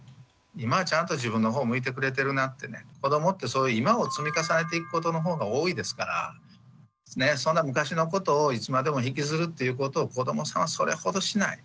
今はちゃんと自分の方を向いてくれてるなってね子どもって今を積み重ねていくことの方が多いですからそんな昔のことをいつまでも引きずるっていうことを子どもさんはそれほどしない。